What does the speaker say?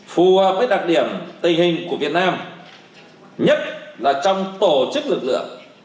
phù hợp với đặc điểm tình hình của việt nam nhất là trong tổ chức lực lượng